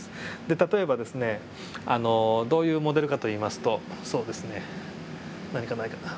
で例えばですねどういうモデルかといいますとそうですね何かないかな。